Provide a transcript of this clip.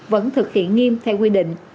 vẫn thực hiện nghiêm theo quy định